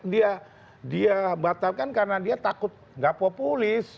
dia dia batalkan karena dia takut nggak populis